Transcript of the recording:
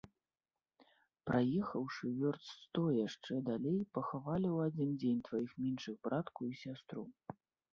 Праехаўшы вёрст сто яшчэ далей, пахавалі ў адзін дзень тваіх меншых братку і сястру.